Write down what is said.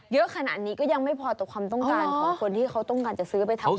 เยอะขนาดนี้ก็ยังไม่พอต่อความต้องการของคนที่เขาต้องการจะซื้อไปทำ